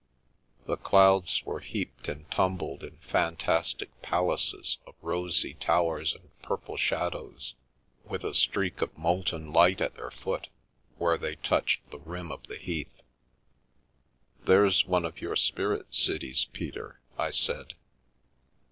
The clouds were heaped and tumbled in fantastic palaces of rosy towers and purple shadows, with a streak of molten light at their foot, where they touched the rim of the heath. " There's one of your spirit cities, Peter," I said.